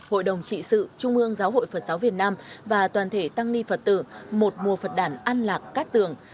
hội đồng trị sự trung ương giáo hội phật giáo việt nam và toàn thể tăng ni phật tử một mùa phật đản an lạc cát tường